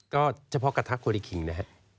ก็เฉพาะกระทะโคริคิงนะฮะ